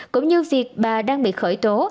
cũng như việc bà đang bị khởi tố